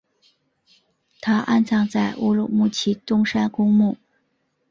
他安葬在乌鲁木齐东山公墓。